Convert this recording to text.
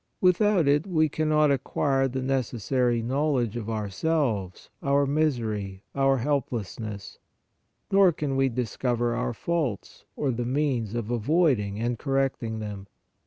Without it we cannot acquire the necessary knowledge of ourselves, our misery, our helplessness, nor can we discover our faults or the means of avoiding and correcting them.